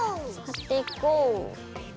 貼っていこう。